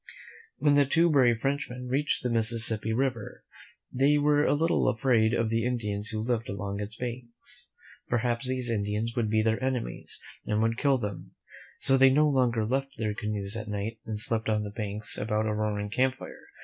When the two brave Frenchmen reached the Mississippi River, they were a little afraid of the Indians who lived along its banks. Perhaps these Indians would be their enemies and would kill them; so they no longer left their canoes at night and slept on the banks about a roaring camp fire.